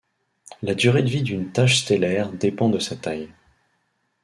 La durée de vie d'une tache stellaire dépend de sa taille.